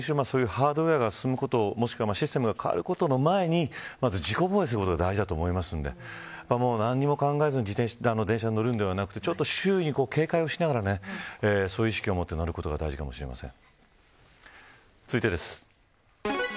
個人がＡＩか何かのアプリが出てきて個人がそれでやるのはぎりぎり許されるのかもただ、いずれにしてもそういうハードウエアが進むこともしくはシステムが変わることの前にまず自己防衛することが大事だと思いますので何も考えずに電車に乗るんではなくて周囲に警戒をしながらそういう意識を持って乗ることが大事かもしれません。